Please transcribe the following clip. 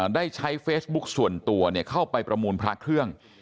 ได้ใช้เฟซบุ๊คส่วนตัวเข้าไปประมูลพระเครื่อง